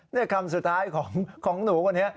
นี่คำสุดท้ายของหนูคนนี้